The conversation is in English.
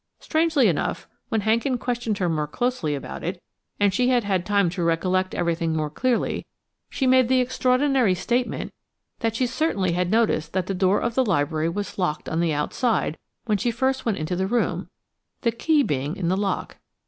Strangely enough, when Hankin questioned her more closely about it, and she had had time to recollect everything more clearly, she made the extraordinary statement that she certainly had noticed that the door of the library was locked on the outside when she first went into the room, the key being in the lock.